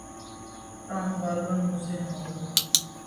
Tom غالباً غصے میں ہوگا۔